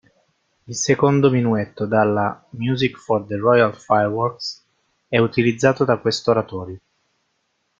Il secondo minuetto dalla "Music for the Royal Fireworks" è utilizzato da questo oratorio.